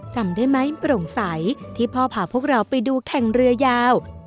จำได้ไหมโปร่งใสที่พ่อพาพวกเราไปดูแข่งเรือยาว